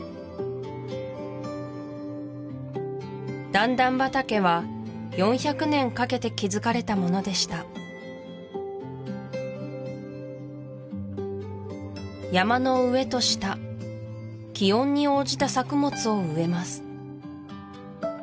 段々畑は４００年かけて築かれたものでした山の上と下気温に応じた作物を植えます